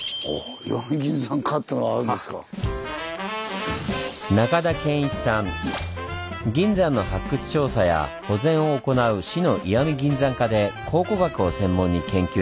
銀山の発掘調査や保全を行う市の石見銀山課で考古学を専門に研究しています。